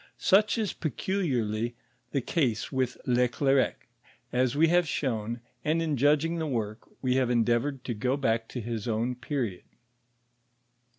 Such is peculiarly the case with Le Clercq, as we have shown, and in judging the work, we have endeavored to go back to his own period.